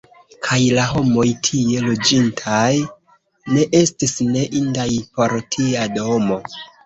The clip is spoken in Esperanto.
Kaj la homoj, tie loĝintaj, ne estis ne indaj por tia domo!